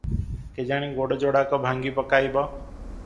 କେଜାଣି ଗୋଡ଼ ଯୋଡ଼ାକ ଭାଙ୍ଗି ପକାଇବ ।